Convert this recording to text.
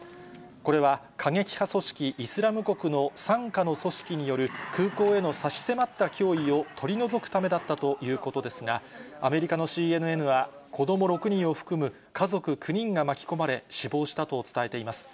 これは、過激派組織イスラム国の傘下の組織による空港への差し迫った脅威を取り除くためだったということですが、アメリカのＣＮＮは、子ども６人を含む家族９人が巻き込まれ、死亡したと伝えています。